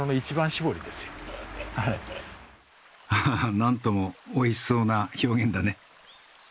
何ともおいしそうな表現だね。